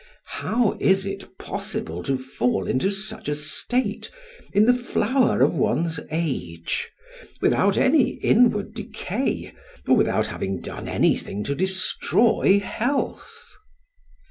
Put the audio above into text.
How is it possible to fall into such a state in the flower of one's age, without any inward decay, or without having done anything to destroy health?